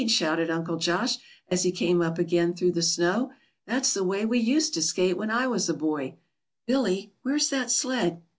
shouted Uncle Josh, as he came up again through the snow. "That's the way we used to skate when I was a boy. Billy, where's that sled?"